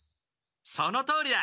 そのとおりだ！